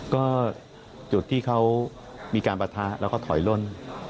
ก็จุดที่เขามีการปะทะแล้วก็ถอยล่น